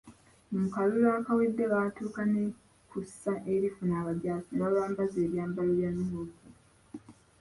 Mu kalulu akawedde baatuuka ne kussa erifuna abajaasi ne babambaza ebyambalo bya Nuupu.